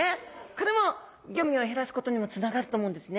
これもゴミを減らすことにもつながると思うんですね。